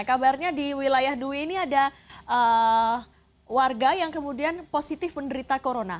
kabarnya di wilayah dwi ini ada warga yang kemudian positif menderita corona